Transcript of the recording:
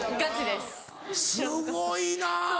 すごいな。